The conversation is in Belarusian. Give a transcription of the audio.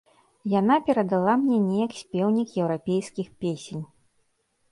Яна перадала мне неяк спеўнік еўрапейскіх песень.